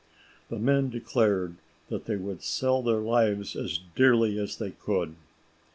The men declared that they would sell their lives as dearly as they could.